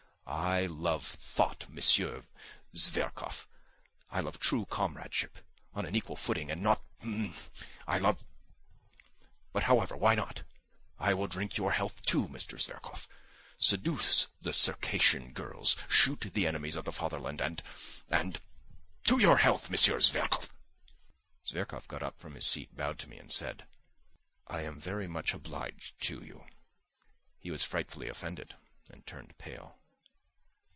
"I love thought, Monsieur Zverkov; I love true comradeship, on an equal footing and not ... H'm ... I love ... But, however, why not? I will drink your health, too, Mr. Zverkov. Seduce the Circassian girls, shoot the enemies of the fatherland and ... and ... to your health, Monsieur Zverkov!" Zverkov got up from his seat, bowed to me and said: "I am very much obliged to you." He was frightfully offended and turned pale.